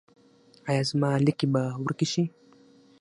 ایا زما لکې به ورکې شي؟